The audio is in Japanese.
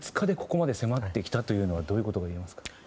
２日でここまで迫ってきたのはどういうことになりますか？